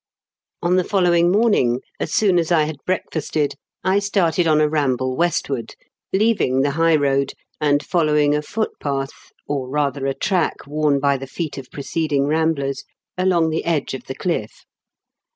On the following morning, as soon as I had breakfasted, I started on a ramble westward, leaving the high road and following a foot path, or rather a track worn by the feet of preceding ramblers, along the edge of the cliflf.